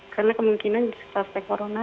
karena kemungkinan suspek corona